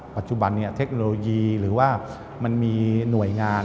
ปัจจุบันเทคโนโลยีหรือว่ามันมีหน่วยงาน